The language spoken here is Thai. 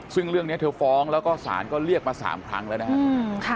ซึ่งเรื่องนี้เธอฟ้องแล้วก็ศาลก็เรียกมา๓ครั้งแล้วนะครับ